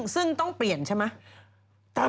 ซึ่งต้องเปลี่ยนใช่ไหม